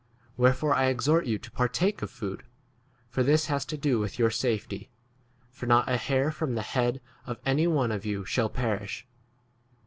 Wherefore I exhort you to partake of food, for this has to do with your safety ; for not a hair from the head of any one of you 35 shall perish.